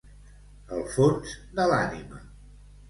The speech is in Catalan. El fons de l'ànima.